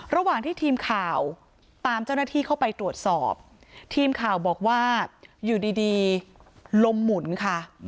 ระหว่างที่ทีมข่าวตามเจ้าหน้าที่เข้าไปตรวจสอบทีมข่าวบอกว่าอยู่ดีลมหมุนค่ะ